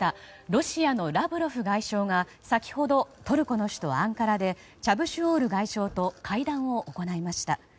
ロシアのラブロフ外相が先ほど、トルコの首都アンカラでチャブシオール外相と会談を行いました。